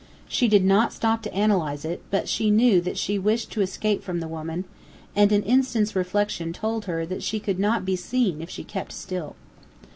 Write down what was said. She did not stop to analyze it, but she knew that she wished to escape from the woman; and an instant's reflection told her that she could not be seen if she kept still.